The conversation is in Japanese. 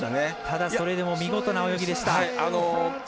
ただ、それでも見事な泳ぎでした。